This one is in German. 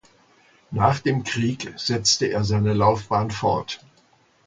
Nach dem Krieg setzte er seine Laufbahn fort.